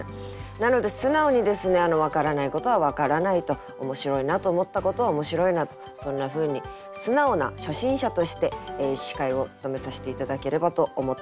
なので素直にですね分からないことは分からないと面白いなと思ったことは面白いなとそんなふうに素直な初心者として司会を務めさせて頂ければと思っております。